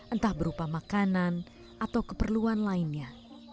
entah berupa makanan atau keperluan lainnya